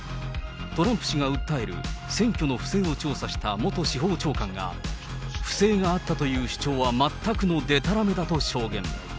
トランプ氏が訴える選挙の不正を調査した元司法長官が不正があったという主張は全くのでたらめだと証言。